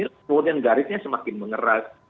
kemudian garisnya semakin mengerat